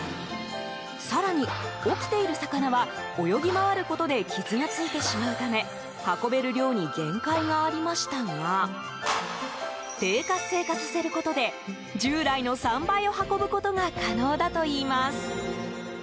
更に、起きている魚は泳ぎ回ることで傷がついてしまうため運べる量に限界がありましたが低活性化させることで従来の３倍を運ぶことが可能だといいます。